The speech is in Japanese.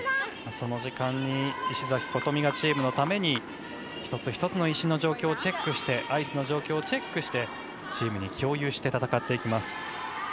その時間に石崎琴美がチームのために一つ一つの石の状況やアイスの状況をチェックしてチームに共有して戦っていきます。